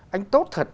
anh tốt thật